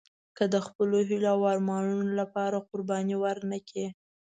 که د خپلو هیلو او ارمانونو لپاره قرباني ورنه کړئ.